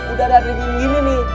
udara dingin gini nih